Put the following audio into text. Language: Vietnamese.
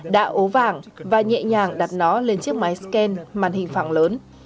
đã ố vàng và nhẹ nhàng đặt nó lên chiếc máy scan màn hình phẳng lớn